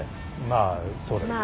まあそうだよね。